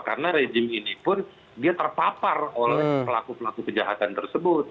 karena itu terpapar oleh pelaku pelaku kejahatan tersebut